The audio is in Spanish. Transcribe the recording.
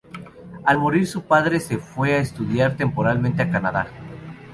Al morir su padre, se fue a estudiar temporalmente a Canadá.